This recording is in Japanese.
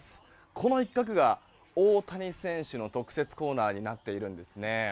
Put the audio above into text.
この一角が、大谷選手の特設コーナーになってるんですね。